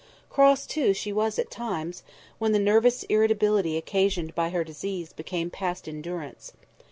Cross, too, she was at times, when the nervous irritability occasioned by her disease became past endurance.